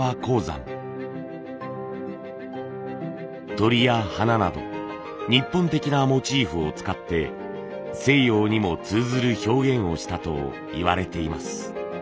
鳥や花など日本的なモチーフを使って西洋にも通ずる表現をしたといわれています。